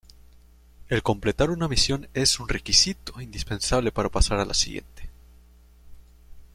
El completar una misión es un requisito indispensable para pasar a la siguiente.